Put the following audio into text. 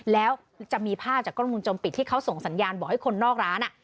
แล้วจะมีภาพจากกล้องมุมจมปิดที่เขาส่งสัญญาณบอกให้คนนอกร้าน